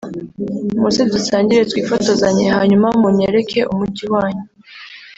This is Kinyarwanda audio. muze dusangire twifotozanye hanyuma munyereke umujyi wanyu